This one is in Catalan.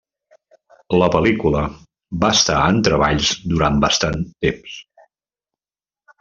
La pel·lícula va estar en treballs durant bastant temps.